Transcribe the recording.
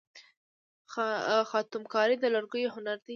خاتم کاري د لرګیو هنر دی.